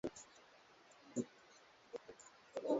kulevya Utegemezi wa dawa za kulevya hudhihirika kwa utafutaji